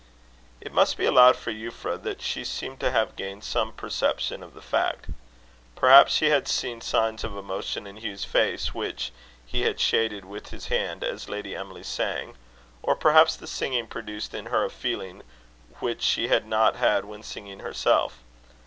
It must be allowed for Euphra, that she seemed to have gained some perception of the fact. Perhaps she had seen signs of emotion in Hugh's face, which he had shaded with his hand as Lady Emily sang; or perhaps the singing produced in her a feeling which she had not had when singing herself.